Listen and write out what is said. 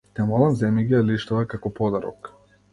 Те молам, земи ги алиштава како подарок.